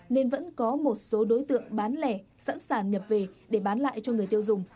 nên vẫn có một số đối tượng bán lẻ sẵn sàng nhập về để bán lại cho người tiêu dùng